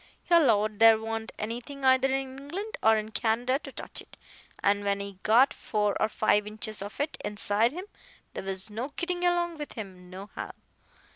He 'lowed there wa'n't anything either in England or in Canada to touch it. An' when he got four or five inches of it inside him, there was no gittin' along with him nohow.